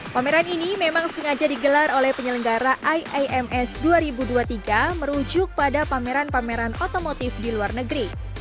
pameran ini memang sengaja digelar oleh penyelenggara iams dua ribu dua puluh tiga merujuk pada pameran pameran otomotif di luar negeri